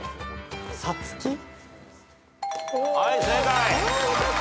はい正解。